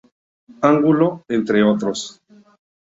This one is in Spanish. Angulo, entre otros.